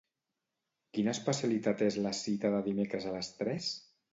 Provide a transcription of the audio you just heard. Quina especialitat és la cita de dimecres a les tres?